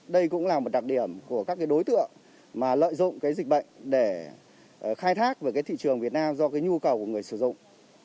đây cũng là một đặc điểm của các đối tượng mà lợi dụng cái dịch bệnh để khai thác về thị trường việt nam do cái nhu cầu của người sử dụng